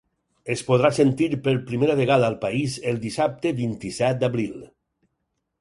Es podrà sentir per primera vegada al país el dissabte vint-i-set d’abril.